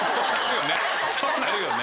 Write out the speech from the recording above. そうなるよね